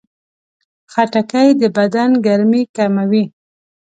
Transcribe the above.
خټکی د بدن ګرمي کموي.